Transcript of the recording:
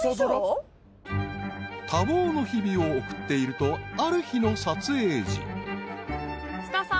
［多忙の日々を送っているとある日の撮影時］